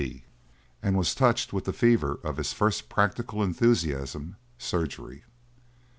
D. and was touched with the fever of his first practical enthusiasm surgery.